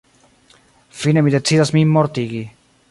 Fine mi decidas min mortigi.